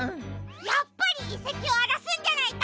やっぱりいせきをあらすんじゃないか！